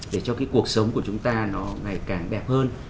để cho cái cuộc sống của chúng ta nó ngày càng đẹp hơn